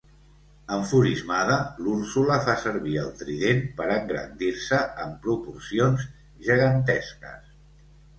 Enfurismada, l'Úrsula fa servir el trident per engrandir-se en proporcions gegantesques.